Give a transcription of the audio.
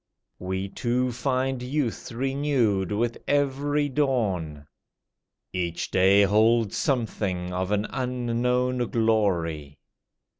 We two find youth renewed with every dawn; Each day holds something of an unknown glory.